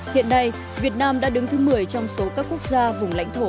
hiện nay việt nam đã đứng thứ một mươi trong số các quốc gia vùng lãnh thổ